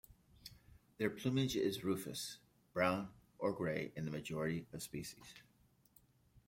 Their plumage is rufous, brown, or grey in the majority of species.